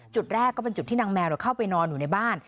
จุดแรกก็เป็นจุดที่นางแมวเข้าไปนอนอยู่ในบ้าน